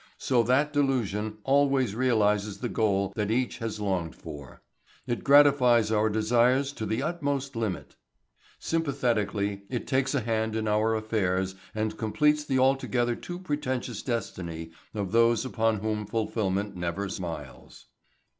So that delusion always realises the goal that each has longed for. It gratifies our desires to the utmost limit. Sympathetically it takes a hand in our affairs and completes the altogether too pretentious destiny of those upon whom fulfillment never smiles."